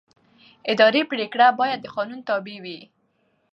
اداري پرېکړه باید د قانون تابع وي.